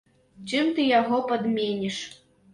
Чым ты яго падменіш?